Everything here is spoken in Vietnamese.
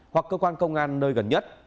hoặc cơ quan công an nơi gần nhất